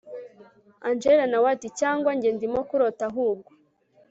angella nawe ati cyangwa njye ndimo kurota ahubwo